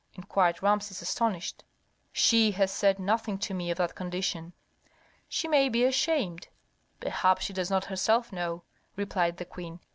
inquired Rameses, astonished. "She has said nothing to me of that condition." "She may be ashamed; perhaps she does not herself know," replied the queen.